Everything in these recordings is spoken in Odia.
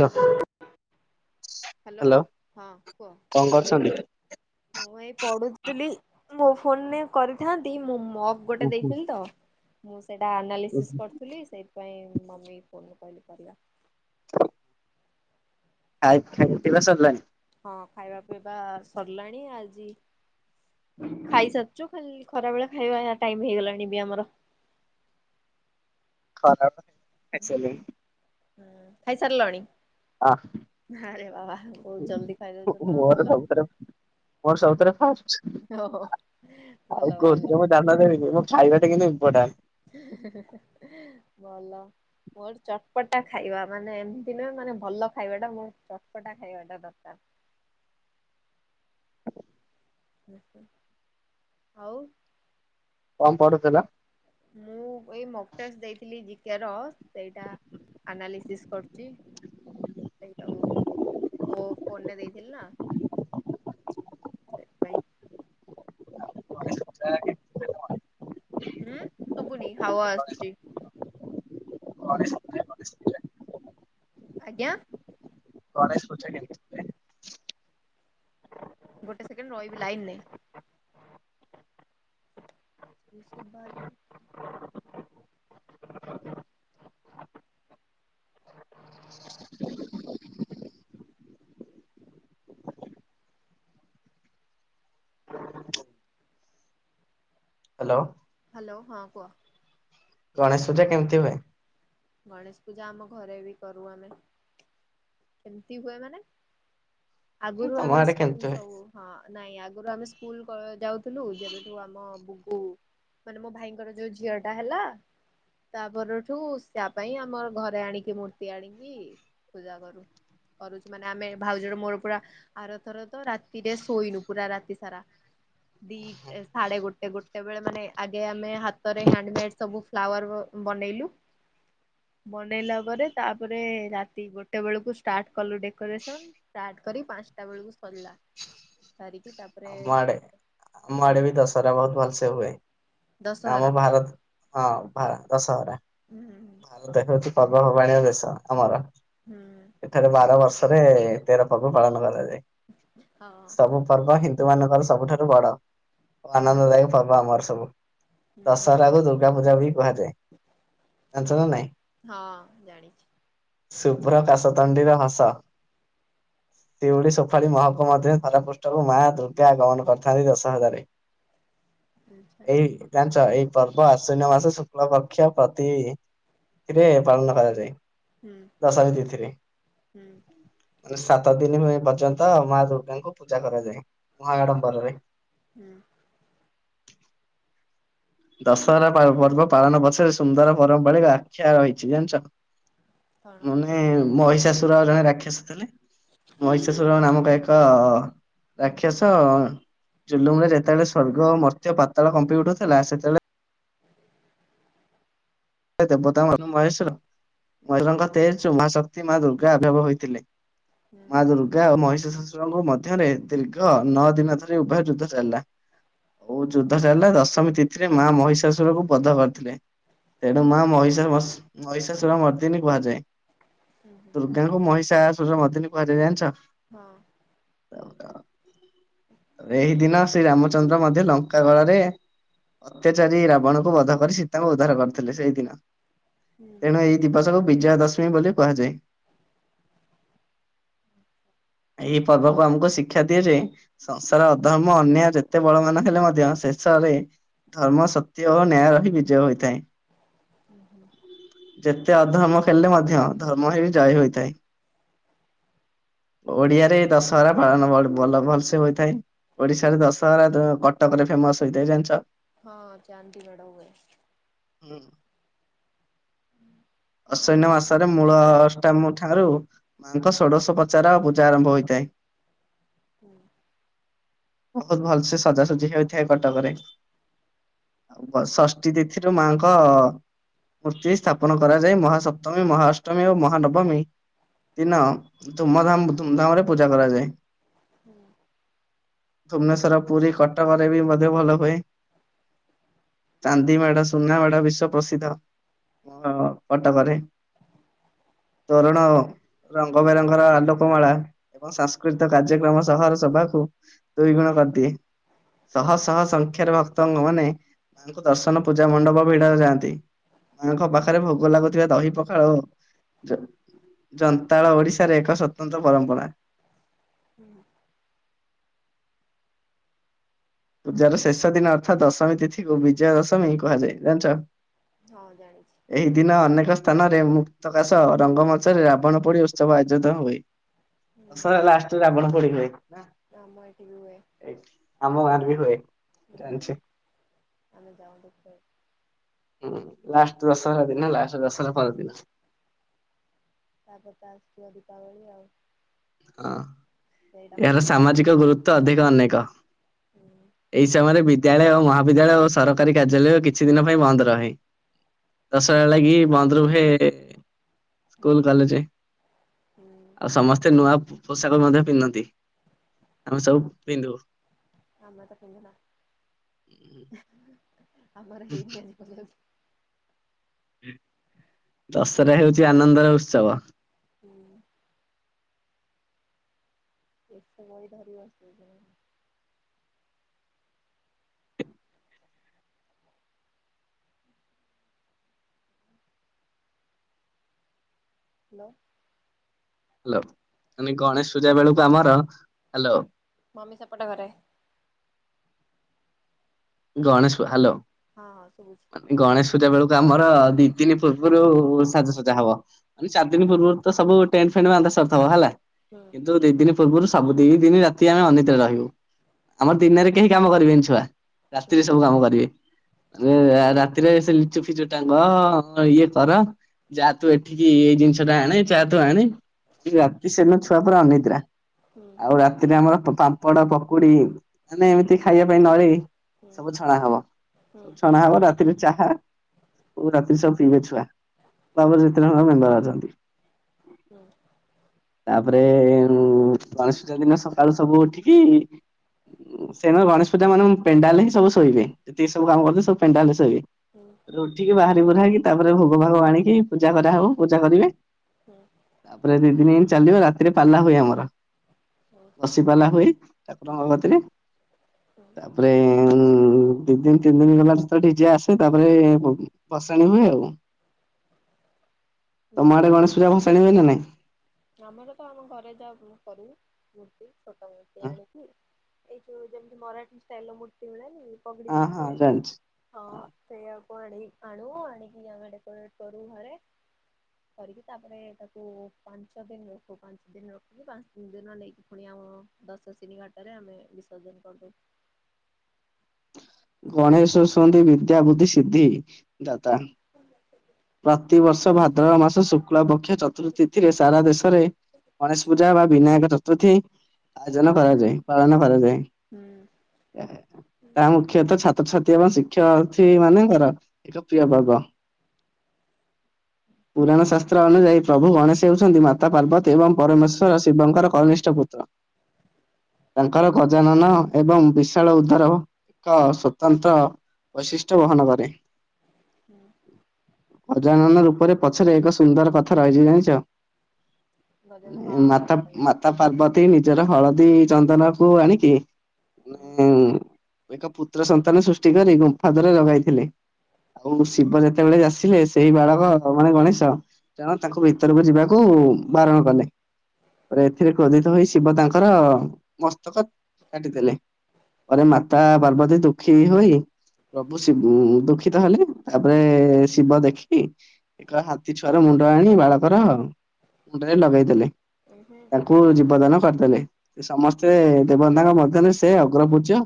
ନା ହ୍ୟାଲୋ ହଁ କୁହ? କଣ କରୁଛନ୍ତି? ମୁଁ ଏଇ ପଢୁଥିଲି ମୋ ଫୋନରେ କରିଥାନ୍ତି ମୋ ମୋ ଗୋଟେ ଦେଇଥିଲି ତ ମୁଁ ସେଇଟା ଆନାଲିସିସ୍ କରୁଥିଲି ସେଇ ସେଥି ପାଇଁାଇଁ ମମି ଫୋନୁ କହିଲେ ପିଲା ଖାଇ ଖାଇିବା ସରିଲଣି ହଁ ଖାଇବା ପିଇବା ସରିଲାଣି ଆଜି ଖାଇସାରିଛୁ ଖାଲି ଖରା ବେଳେ ଖାଇବା ଟାଇମ ହେଇଗଲାଣି ବି ଆମର [unintelligible] ହଁ ହଁ ଖାଇ ସାରିଲଣି? ଆଁରେ ବାବା ବହୁତ ଜଲଦି ଖାଇଦଉଛ ତ ମୋର ଭଲ। ସବୁଥିରେ ମୋର ସବୁଥିରେ ଫାଷ୍ଟ ଓ ଭଲ ଭଲ। ଜ ଦେନି ମଁ ଖବା ଟା କେନ୍ତ ମ୍ପୋର୍ଟାଟ। ଭଲ। ମୋର ଚଟପଟା ଖାଇବା ମାନେ ଏମିତି ନୁହେଁ ମାନେ ଭଲ ଖାଇବା ଟା ମୋର ଚଟପଟା ଖାଇବାଟା ଦରକାର। ହଉ କମ ପଡୁଥିଲା ମୁଁ ଏଇ ମକ୍ଟର୍ସ ଦେଇଥିଲି ଜିକି ର ସେଇଟା ଆନାଲିସିସ୍ କରୁଛି। ସେଇା ମୁୋ ଫୋନରେ ଦେଇଥିଲି ନା। ସେଥିପାଇଁ। [unintelligible] ହୁଁ ଶୁଗୁନି ହାୱ ଆସଛି [unintelligible] ଆଜ୍ଞା। [unintelligible] ଗୋଟେ ସେକେଣ୍ଡ ରହିବି ଲାଇନ ରେ ଶଖ ଭଜ ହ୍ୟାଲୋ। ହ୍ୟାଲୋ ହଁ କୁହ। ଗଣେଶୂଜା କେମିତି ହୁଏ? ଗଣେଶ ପୂଜା ଆମ ଘରେ ବି କରୁ ଆମେ। କେମିତି ହୁଏ ମାନେ ଆଗରୁ ତମ ଆମେ ଆଡେ ସ୍କୁଲ କେମିତି ହୁଏ? ସବୁ ହଁ ନାଇଁ ଆଗରୁ ଆମେ ସ୍କୁଲ ଯାଉଥିଲୁ ଯେବେଠୁ ଆମ ବୁଗୁ ମାନେ ମୋ ଭାଇଙ୍କର ଯୋଉ ଝିଅ ଟା ହେଲା ତା ପରଠୁ ସେଆ ପାଇଁ ଆମର ଘରେ ଆଣିକି ମୂର୍ତ୍ତି ଆଣିକି ପୂଜା କରୁ। କରୁଛୁ ମାନେ ଆମେ ଭାଉଜର ମୋର ପୁରା ଆରଥର ତ ରାତିରେ ଶୋଇନୁ ପୁରା ରାତି ସାରା ଦି ସାଢଡେ ଗୋଟେ ଗୋଟେ ବେଳେ ମାନେ ଆଗେ ଆମେ ହାତରେ ହଣ୍ଡମେଡ ସବୁ ଫ୍ଲାୱାର ବନେଇଲୁ। [inaudible] ବନେଇଲା ପରେ ତାପରେ ରାତି ଗୋଟେ ବେଳକୁ ଷ୍ଟାର୍ଟ କଲୁ ଡେକୋରେସନ୍ ଷ୍ଟାର୍ଟ କରି ପାଞ୍ଚଟା ବେଳକୁ ସରିଲା ସାରିକି ତାପ ଆ ମାଡେ ଆ ମାଡେ ବି ଦଶହରା ବହୁତ ଭଲସ ହୁଏ। ଆମ ଦଶହରା ଭାରତ ହଁ ଦଶହରା। ହୁଁ। ଆ ଦେ ହଉଛି ପର୍ବପର୍ବାଣି ଦେଶ ଆମର ହୁଁ। ଏଠାରେ ବାର ବର୍ଷରେ ତେର ପର୍ବ ପାଳନ କରାଯାଏ ହଁ। ସବୁ ପର୍ବ ହିନ୍ଦୁ ମାନଙ୍କର ସବୁଠାରୁ ବଡ ହୁଁ ଆନନ୍ଦଦାୟକ ପର୍ବ ଆମର ସବୁ। ହୁଁ ଦଶହରାକୁୁ ଦୁର୍ଗା ପୂଜା ବି କୁହାଯାଏ। ଜାଣିଛ ହଁ ନା ନାଇଁ? ହଁ ଜାଣିଛି। ଶୁଭ୍ର କାଶତଣ୍ଡିର ହସ ଶିଉଡ଼ି ସୁଫାଳି ମହକୁମ ମଧ୍ୟରେ ଧଥରପୃଷ୍ଠକୁ ମା ଦୁର୍ଗା ଆଗମନ କରିଥାନ୍ତି ଦଶ ହରାରେ। ଆଛା [inaudible] ଏଇା, ଞ୍ଚ ଏଇ ପର୍ବ ଆଶ୍ୱଵିନ ମାସ ଶୁକ୍ଳ ପକ୍ଷ ପ୍ରତି ଥିରେ ପାଳନ କରାଯାଏ। ହୁଁ। ଦଶମୀ ତିଥିରେ ହୁଁ ମାନେ ସାତ ଦିନ ହୁଏ ପର୍ଯ୍ୟନ୍ତ ମା ଦୁର୍ଗାଙ୍କୁ ପୂଜା କରାଯାଏ। ମହା ଆଡମ୍ବରରେ। [inaudible] ଦଶହରା ପର୍ବ ପାଳନ ପଛରେ ସୁନ୍ଦର ପର୍ମ୍ପାରିକ ଆଖ୍ୟା ରହିଛି। ଜାଣିଛ? ହୁଁ ମାନେ ମହିଷାସୁର ଜଣେ ରାକ୍ଷସ ଥିଲେ, ମହିଷାସୁର ନାମକ କ ରାକ୍ଷସ ଜୁଲୁମ ରେ ଯେତେବେଳେ ସ୍ଵର୍ଗ ମର୍ତ୍ୟ ପାତାଳ କମ୍ପି ଉଠୁଥିଲା, ସେତେବେଳେ [unintelligible] ଦେବତା ମ ମହେଶଵର [unintelligible] ମହା ଶକ୍ତି ମା ଦୁର୍ଗା ଆଭବ ହୋଇଥିଲେ। ମା ହୁଁ ଦୁର୍ଗା ଓ ମହିଷଶୁରଙ୍କ ମଧ୍ୟରେ ଦୀର୍ଘ ନଅ ଦିନ ଧରି ଉଭୟ ଯୁଦ୍ଧ ଚାଲିଲା। ଓଉ ଯୁଦ୍ଧ ଚାଲିଲା ଦଶମୀ ତିଥିରେ ମା ମହିଷାସୁର କୁ ବଧ କରିଥିଲେ। ତେଣୁ ମା ମହିଷା ମହିଷା ମର୍ଦିନୀ କୁହାଯାଏ। [inaudible] ତେଣଙ୍କୁ ମହିଷା ସୂର୍ଯ୍ୟ ମଦିନୀ କୁହାଯାଏ। ଜାଣିଛ? ହଁ। [unintelligible] ଏହିଦିନ ଶ୍ରୀ ରାମଚନ୍ଦ୍ର ମଧ୍ୟ ଲଙ୍କାଗଳରେ, ଅତ୍ୟାଚାରୀ ରାବଣଙ୍କୁ ବଧ କରି ସୀତାଙ୍କୁ ଉଦ୍ଧାର କରି ଥିଲେ ସେଇ ଦିନ ତେଣୁ ଏଇ ଦିବସକୁ ବିଜୟା ଦଶମୀ ବୋଲି କୁହାଯାଏ। ଏଇ ପର୍ବକୁ ଆମକୁ ଶିକ୍ଷା ଦିଆଯାଏ ସଂସାର ଅଧର୍ମ ଅନ୍ୟାୟ ଯେତେ ବଳ ମାନ ହେଲେ ମଧ୍ୟ ଶେଷରେ ଧର୍ମ ସତ୍ୟ ଓ ନ୍ୟାୟ ର ହିଁ ବିଜୟ ହୋଇଥାଏ। [inaudible] ଯେତେ ଅଧର୍ମ କଲେ ମଧ୍ୟ, ଧର୍ମ ହେ ବି ଜୟ ହୋଇଥାଏ। ଓଡିଆରେ ଦଶହରା ପାଳନ ବ ଭଲ, ଭଲ ସେ ହୋଇଥାଏ। ଓଡିଶାରେ ଦଶହରା ତ କଟକରେ ଫେମସ ହେଇଥାଏ। ଜାଣିଛ? ହଁ ଚନ୍ଦି ମେଢ଼ ହୁଏ। [inaudible] ଆଶ୍ୱିନ ମାସରେ ମୂଳଷ୍ଟାମ ଠାରୁ ମାଆଙ୍କ ଷୋଡ଼ଶ ପଚାରଉ ପୂଜା ଆରମ୍ଭ ହୋଇଥାଏ। [inaudible] ବହୁତ ଭଲସେ ସଜାସଜି ହେଇଥାଏ, କଟକରେ। ଆଉ ଷଷ୍ଠୀ ତିଥିରୁ ମାଆଙ୍କ ମୂର୍ତ୍ତି ସ୍ଥାପନ କରାଯାଏ। ମହାସପ୍ତମୀ ମହାଷ୍ଟମୀ ଓ ମହାନବମୀ ଦିନ ଧୁମ ଧାମ ଧୁମଧାମରେ ପୂଜା କରାଯାଏ। [inaudible] ଭୁବନେଶ୍ଵର, ପୁରୀ, କଟକରେ ବି ମଧ୍ୟ ଭଲ ହୁଏ। [inaudible] ଚାନ୍ଦିମେଢ଼ ସୁନା ମେଢ଼ ବିଶ୍ଵ ପ୍ରସିଦ୍ଧ ମୋ କଟକରେ। [unintelligible] ତୋରଣ ରଙ୍ଗ ବେରଙ୍ଗର ଆଲୋକମାଳା ଏବଂ ସାଂସ୍କୃତିକ କାର୍ଯ୍ୟକ୍ରମ ସହର ସଭାକୁ ଦୁଇ ଗୁଣ କରିଦିଏ। ଶହ ଶହ ସଂଖ୍ୟାରେ ଭକ୍ତ ମାନେ ମାଙ୍କୁ ଦର୍ଶନ ପୂଜା ମଣ୍ଡପ ଭିଡ ଯାଆନ୍ତି, ମାଙ୍କ ପାଖରେ ଭୋଗ ଭୋଗ ଲାଗୁଥିବା ଦହି ପଖାଳ ଜନ୍ତାଳ ଓଡିଶାରେ ଏକ ସ୍ଵତନ୍ତ୍ର ପରମ୍ପରା। [inaudible] ପୂଜାର ଶେଷ ଦିନ ଅର୍ଥାତ୍ ଦଶମୀ ତିଥିକୁ ବିଜୟ ଦଶମୀ କୁହାଯାଏ। ଜାଣିଛ? ହଁ ଜାଣିଛି। ଏହି ଦିନ ଅନେକ ସ୍ଥାନରେ ମୁକ୍ତକା ସହ ରଙ୍ଗମଞ୍ଚରେ ରାବଣ ପୋଡି ଉତ୍ସବ ଆୟୋଜିତ ହୁଏ। ଲାଷ୍ଟରେ ରାବଣ ପୋଡି ହୁଏ। ନା ଆମର ଏଠି ବି ହୁଏ। ଆମ ଗାଁରେ ବି ହୁଏ ହୁଁ ଜାଣିଛି। ଆମେ ଯାଉ ଦେଖ ହୁଁ ଲାଷ୍ଟ ଦଶହରା ଦିନ ଲାଷ୍ଟ ଦଶହରା ପର ଦିନ। ତାପ ତ ଆସବ ଦୀପାବଳି ଆଉ। ହଁ। ସେଇଟା ମୋ ଏହାର ଫେବରାଇଟ୍ ସାମାଜିକ ଗୁରୁତ୍ୱ ଅଧିକ ଅନେକ ହୁଁ ଏଇ ସମୟରେ ବି ବିଦ୍ୟାଳୟ ମହାବିଦ୍ୟାଳୟ ଓ ସରକାରୀ କାର୍ଯ୍ୟାଳୟ କିଛି ଦିନ ପାଇଁ ବନ୍ଦ ରହେ। ଦଶ ଲାଗି ବନ୍ଦ୍ ରୁହେ ହୁଁ ସ୍କୁଲ କଲେଜ ହୁଁ ଆଉ ସମସ୍ତେ ନୂଆ ପୋଷାକ ମଧ୍ୟ ପିନ୍ଧନ୍ତି। ଆମେ ସବୁ ପିନ୍ଧୁ। ଆମ ତ ପିନ୍ଧୁନା ଆମର ହେଇନି ଆଜି ପର୍ଯ୍ୟନ୍ତ। ଦଶହରା ହେଉଛି ଆନନ୍ଦର ଉତ୍ସବ। ହୁଁ। ଏ ବହି ଧାରୀିବସ ହ୍ୟାଲୋ। ହ୍ୟାଲୋ ମାନେ ଗଣେଶ ପୂଜା ହ୍ୟାଲୋ ବେଳକୁ ଆମର ହ୍ୟାଲୋ। ମମି ସେପଟ ଘରେ। ଗଣେଶ ହ୍ୟାଲୋ। ହଁ ହଁ ଶୁଭୁଛି ଗଣେଶ ପୂଜା ବେଳକୁ ଆମର ଦି ଦିନି ପୂର୍ବରୁ ସାଜାସଜା ହବ ମାନେ ଚାରି ଦିନ ପୂର୍ବରୁ ତ ସବୁ ଟେଣ୍ଟ ଫେଣ୍ଟ ବନ୍ଧା ସାରିଥିବ ହେଲା। ହୁଁ। କିନ୍ତୁ ଦି ଦିନ ପୂର୍ବରୁ ସବୁ ଦି ଦିନ ରାତି ଆମେ ଅନିଦ୍ରାରେ ରହିବୁ ଆମର ଦିନରେ କେହି କାମ କରିବେନି ଛୁଆ। ହୁଁ ରାତିରେ ସବୁ କାମ କରିବେ। ରାତିରେ ସେ ଲିଚୁ ଫିଚୁ ଟାଙ୍ଗ ଇଏ କର। ଯାହା ତୁ ଏଠିକି ଏଇ ଜିନିଷ ଟା ଆଣେ ଯହା ତୁ ଆଣେ ରାତି ସେଦିନ ଛୁଆ ପା ଅନିଦ୍ରା। ହୁଁ ଆଉ ରାତିରେ ଆମର ପାମ୍ପଡ ପକୁଡି ମାନେ ଏମିତି ଖାଇବା ପାଇଁ ନହ ହୁଁ ସବୁ ଛଣା ହବ ହୁଁ ସବୁ ଛଣା ହବ ରାତିରେ ଚାହା। ରାତିରେ ସବୁ ପିଇବେ ଛୁଆ ତାପର ଯେତେଳେର ମେମ୍ବର ଅଛନ୍ତି। ହୁଁ। ତାପରେ ଗଣେଶ ପୂଜା ଦିନ ସକାଳୁ ସବୁ ଉଠିକି ସେ ଗେଶ ପୂଜା ମାନେ ପେଣ୍ଡାଲେ ହିଁ ସବୁ ଶୋଇବେେ ଯେତିି ସବୁ କାମ କରଲେ ସବ ପେଣ୍ଡା ହେଲେ ଶୋଇବେ। ହୁଁ। ଉଠିକି ବାହାରି ବୁୁରକି ତାପରେ ଭୋଗ ଭାଗ ଆଣିକି ପୂଜା କରାହଉ ପୂଜା କରିବେ। ହୁଁ। ତାପରେ ଦି ଦିନି ଦ ଚାଲିବ ରାତିରେ ପାଲା ହୁଏ ଆମର। ହୁଁ। ବସିପଲା ହୁଏ ହୁଁ ଠାକୁରଙ୍କ କତିରେ। ହୁଁ। [inaudible] ହ ଦି ଦିନ ତିନି ଦିନ ଗଲାଳେ ଡିଜେ ଆସେ ତାପରେ ବସାଣି ହୁଏ ଆଉ। ତମ ହୁଁ ଆଡେ ଗଣେଶ ପୂଜା ଭସାଣି ହୁଏ ନା ନାଇଁ। ଆମର ତ ଆମ ଘରେ ଯା କରିବ ମୂର୍ତ୍ତି ଛୋଟ ମୂର୍ତ୍ତି ଆଣିକି। ଏଇ ଯୋଉ ଯେମିତି ମରାଠୀ ଷ୍ଟାଇଲ ର ମୂର୍ତ୍ତି ମିଳେନି ପଗଡି ହଁ ହଁ ପିନ୍ଧିଥିବେ। ଜାଣିଛି ହଁ ସେଇଆକୁ ଆଣି ଆଣୁ ଆଣିକି ଆମେ ଡେକୋଟ କରୁ ଘରେ। କରିକି ତାପରେ ତାକୁ ପାଞ୍ଚ ଦିନ ରଖୁ ପାଞ୍ଚ ଦିନ ରଖୁ ପାଞ୍ଚ ତିନି ଦିନ ନେଇକି ପୁଣି ଆମ ଦଶ ଶିନୀ ଘାଟ ରେ ଆମେ ବିସର୍ଜନ କରିଦଉ। ଗଣେଶ ଶନ୍ତିୀ ବିଦ୍ୟା ବୁଦ୍ଧି ସିଦ୍ଧି ଦାତା। [unintelligible] ପ୍ରତିବର୍ଷ କରିଯିବା ଭାଦ୍ର ମାସ ଶୁକ୍ଳ ପକ୍ଷ ଚତୁର୍ଥୀ ଏଥିରେ ସାରା ଦେଶରେ ଗଣେଶ ପୂଜା ବା ବିନାୟକ ଚତୁର୍ଥୀ ଆୟୋଜନ ହୁଁ କରାଯାଏ, ପାଳନ ହୁଁ କରାଯାଏ। ତା ହୁଁ ମୁଖ୍ୟତଃ ଛାତ୍ରଛାତ୍ରୀ ଏବଂ ଶିକ୍ଷାର୍ଥୀ ମାନଙ୍କର ଏକ ପ୍ରିୟ ପର୍ବ। ପୁରାଣ ସା ପତ୍ର ଅନୁଯାୟୀ ପ୍ରଭୁ ଗଣେଶ ହେଉଛନ୍ତି ମାତା ପାର୍ବତୀ ଏବଂ ପରମେଶ୍ୱର ଶିବଙ୍କର କନିଷ୍ଠ ପୁତ୍ର। [inaudible] ତାଙ୍କର ଗଜାନନ ଏବଂ ବିଶାଳ ଉଦର ଏକ ସ୍ଵତନ୍ତ୍ର ବୈଶିଷ୍ଟ୍ୟ ବହନ କରେ। ହୁଁ ଉଁ। ଗଜାନନ ରୂପରେ ପଛରେ ଏକ ସୁନ୍ଦର କଥା ରହିଛି ଜାଣିଛ? ଗଜ ହଁ ହଁ ମାତା ସେଟା ମା ତା ପାର୍ବତୀ ନିଜର ହଳଦୀ ଚନ୍ଦନ କୁ ଆଣିକି ହୁଁ ଏକ ପୁତ୍ର ସନ୍ତାନ ସୃଷ୍ଟି କରି ଗୁମ୍ଫା ଦିହରେ ଲଗାଇଥିଲେ, ଆଉ ଶିବ ଯେତେବେଳେ ଆ ଆସିଲେ ସେଇ ବାଳକ ମାନେ ଗଣେଶ ଜାଣ ତାଙ୍କୁ ଭିତରକୁ ଯିବାକୁ ବାରଣ କଲେ। ଏଥିରେ କ୍ରୋଧିତ ହୋଇ ଶିବ ତାଙ୍କର ମସ୍ତକ କାଟିଦେଲେ ପରେ ମାତା ପାର୍ବତୀ ଦୁଃଖୀ ହୋଇ ପ୍ରଭୁ ଦୁଃଖିତ ହେଲେ, ତାପରେ ଶିବ ଦେଖି ଏକ ହାତୀ ଛୁଆର ମୁଣ୍ଡ ଆଣି ବାଳକର ମୁଣ୍ଡରେ ଲଗେଇ ଦେଲେ ଉହୁଁ ତାଙ୍କୁ ନାଇଁ ଜୀବଦାନ କରିଦେଲେ। ସେ ସମସ୍ତେ ଦେବତାଙ୍କ ମଧ୍ୟରେ ସେ ଅଗ୍ରପୂଜ୍ୟ।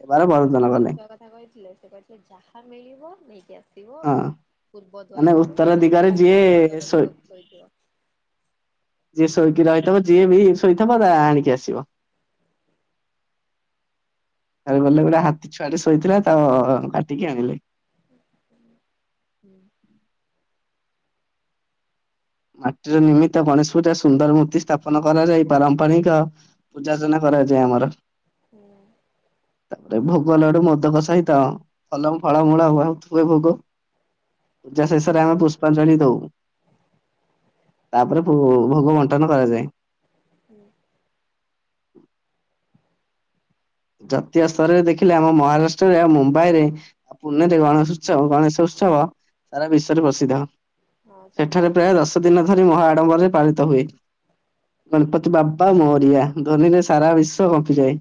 ହେବାର ସେଟା ବରଦାନ ହାତୀ କଲେ ଛୁଆ କଥା କହୁଥିଲେ, ସେଟା ସେ ଯାହା ମିଳିବ ନେଇକି ଆସି [unintelligible] ହଁ ପୂର୍ବ ମାନେ ଦ୍ୱାର କୁ ଉତ୍ତର ଦିଗରେ [unintelligible] ଯିଏ ଉତ୍ତର ଶୋଇ ଦିଗକୁ ଶୋଇଥିବ। ଯିଏ ଶୋଇକି ରହିଥିବ ଯିଏ ବି ଶୋଇଥିବ ତା ଆଣିକି ଆସିବ। ତାରେ ଗଲେ ଗୋଟେ ହାତୀ ଛୁଆ ଶୋଇଥିଲା ତ କାଟିକି ଆଣିଲେ। ହୁଁ। ମାଟିର ନିମିତ୍ତ ଗଣେଶପୁରା ସୁନ୍ଦର ମୂର୍ତ୍ତି ସ୍ଥାପନ କରାଯାଇ ପାରମ୍ପରିକ ପୂଜାର୍ଚ୍ଚନା କରାଯାଏ ଆମର। ହୁଁ ଉଁ। ତାପରେ ଭୋଗଲଡୁ ମୋଦକ ସହିତ ଭଲ ଫଳମୂଳ ବହୁତ ହୁଏ ଭୋଗ, ପୂଜା ଶେଷରେ ଆମେ ପୁଷ୍ପାଞ୍ଜଳି ଦଉ। ତାପରେ ଭୋଗ ବଣ୍ଟନ କରାଯାଏ। ହୁଁ ଉଁ। [inaudible] ଜାତୀୟ ସ୍ତରରେ ଦେଖିଲେ ଆମ ମହାରାଷ୍ଟ୍ରରେ ଆଉ ମୁମ୍ବାଇରେ ଆଉ ପୁଣେରେ ଗଣେଶ ଉତ୍ସବ ଗଣେଶ ଉତ୍ସବ ସାରା ବିଶ୍ୱରେ ପ୍ରସିଦ୍ଧ। ହଁ ସବୁଠୁ ସେଠାରେ ବଡ ପ୍ରାୟ ଦଶ ଦିନ ଧରି ମହାଆଡ଼ମ୍ବରରେ ପାଳିତ ହୁଏ। ଗଣପତି ବାବା ମୋରିଆ ଧ୍ୱନିରେ ସାରା ବିଶ୍ଵ କମ୍ପିଯାଏ।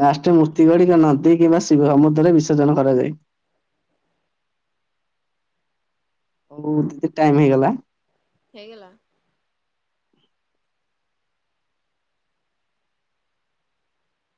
ଲାଷ୍ଟରେ ମୂର୍ତ୍ତି ଗୁଡିକ ନଦୀ କିମ୍ବା ଶିବ ସମୁଦ୍ରରେ ବିସର୍ଜନ କରାଯାଏ। [unintelligible] ଟାଇମ ହେଇଗଲା। ହେଇଗଲା।